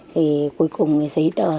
thì cuối cùng giấy tờ